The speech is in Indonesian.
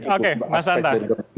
oke mas anta